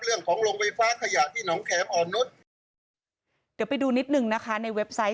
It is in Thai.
เรื่องของลงไฟฟ้าขยะที่หนองแขมอ่อนนุษย์